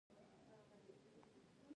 کلي د افغانستان د ولایاتو په کچه توپیر لري.